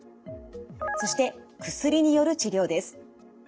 そして薬による治療です。